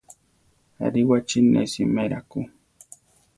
Aríwachi ne simera ku.